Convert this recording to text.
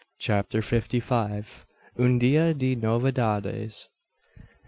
CHAPTER FIFTY FIVE. UN DIA DE NOVEDADES.